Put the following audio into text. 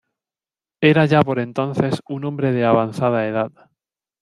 Era ya por entonces un hombre de avanzada edad.